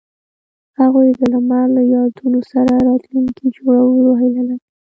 هغوی د لمر له یادونو سره راتلونکی جوړولو هیله لرله.